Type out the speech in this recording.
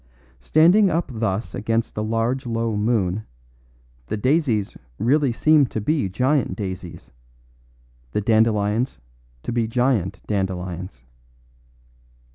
Standing up thus against the large low moon, the daisies really seemed to be giant daisies, the dandelions to be giant dandelions.